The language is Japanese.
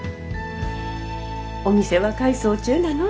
お店は改装中なの？